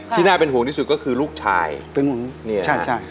น่าเป็นห่วงที่สุดก็คือลูกชายเป็นห่วงเนี่ยใช่